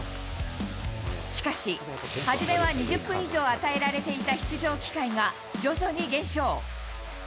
しかし、初めは２０分以上与えられていた出場機会が徐々に減少。